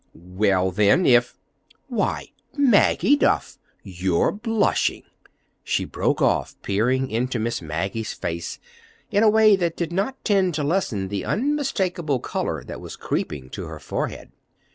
"Well, then, if—Why, Maggie Duff, you're blushing!" she broke off, peering into Miss Maggie's face in a way that did not tend to lessen the unmistakable color that was creeping to her forehead.